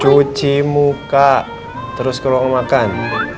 cuci muka terus ke ruang makan